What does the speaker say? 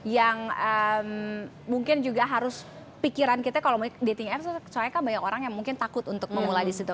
yang mungkin juga harus pikiran kita kalau mau dating app soalnya kan banyak orang yang mungkin takut untuk memulai disitu